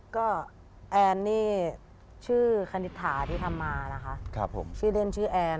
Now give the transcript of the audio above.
ก็แอนนี่ชื่อคณิตถาที่ทำมานะคะผมชื่อเล่นชื่อแอน